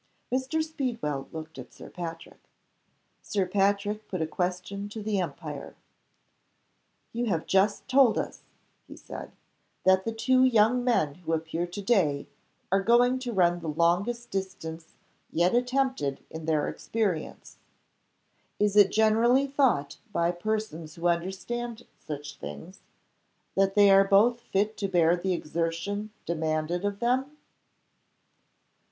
Mr. Speedwell looked at Sir Patrick. Sir Patrick put a question to the umpire. "You have just told us," he said, "that the two young men who appear to day are going to run the longest distance yet attempted in their experience. Is it generally thought, by persons who understand such things, that they are both fit to bear the exertion demanded of them?"